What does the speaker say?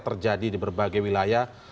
terjadi di berbagai wilayah